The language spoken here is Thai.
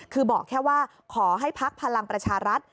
คือบอกแค่ว่าขอให้ภักดิ์พลังประชารัฐ